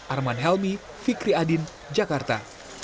arman helmi fikri adin jakarta